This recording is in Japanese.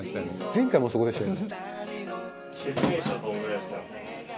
前回もあそこでしたよね。